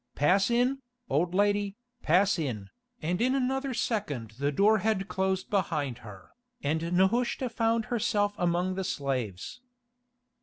"Pass in, old lady, pass in," and in another second the door had closed behind her, and Nehushta found herself among the slaves.